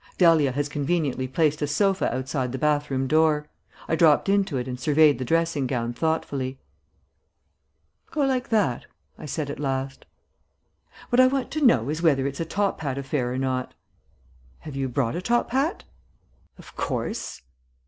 Dahlia has conveniently placed a sofa outside the bathroom door. I dropped into it and surveyed the dressing gown thoughtfully. "Go like that," I said at last. "What I want to know is whether it's a top hat affair or not?" "Have you brought a top hat?" "Of course."